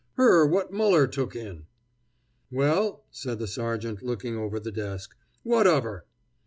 "Her what Muller took in." "Well," said the sergeant, looking over the desk, "what of her?"